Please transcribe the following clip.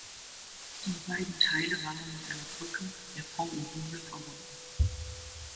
Die beiden Teile waren mit einer Brücke, der Pont au Double, verbunden.